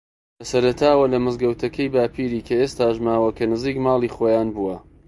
لە سەرەتاوە لە مزگەوتەکەی باپیری کە ئێستاش ماوە کە نزیک ماڵی خۆیان بووە